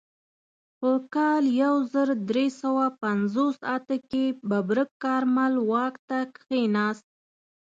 په کال یو زر درې سوه پنځوس اته کې ببرک کارمل واک ته کښېناست.